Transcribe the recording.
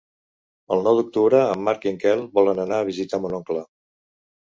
El nou d'octubre en Marc i en Quel volen anar a visitar mon oncle.